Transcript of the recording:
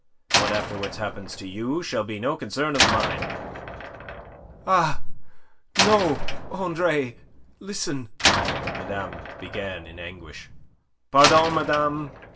What afterwards happens to you shall be no concern of mine." "Ah, no, Andre! Listen..." Madame began in anguish. "Pardon, madame.